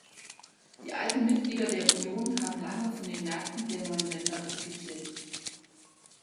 Die alten Mitglieder der Union haben lange von den Märkten der neuen Länder profitiert.